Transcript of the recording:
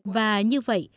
và như vậy